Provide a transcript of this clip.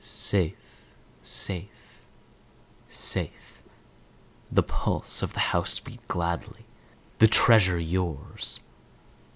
"Safe, safe, safe," the pulse of the house beat gladly. "The Treasure yours."